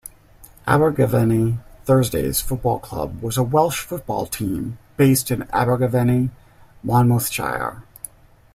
Abergavenny Thursdays Football Club was a Welsh football team based in Abergavenny, Monmouthshire.